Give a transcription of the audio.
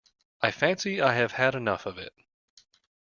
I fancy I have had enough of it.